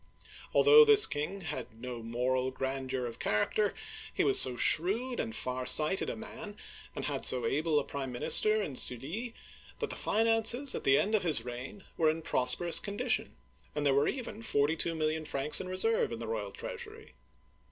Although this king had no moral grandeur of character, he was so shrewd and far sighted a man, and had so able a prime minister in Sully, that the finances at the end of his reign were in prosperous condition, and there were even forty two million francs in reserve in the royal treasury.